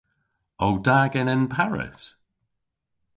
O da genen Paris?